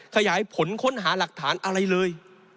ขยายผลค้นหาหลักฐานอะไรเลย